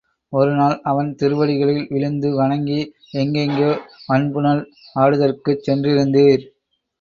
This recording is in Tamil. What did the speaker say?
ஒரு நாள் அவன் திருவடிகளில் விழுந்து வணங்கி எங்கெங்கே வண்புனல் ஆடுதற்குச் சென்றிருந்தீர்?